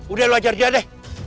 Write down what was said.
udah lo ajar dia deh